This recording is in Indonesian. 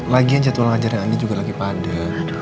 lagian jadwal ngajar yang andin juga lagi pada